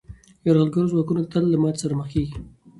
یرغلګر ځواکونه تل له ماتې سره مخ کېږي.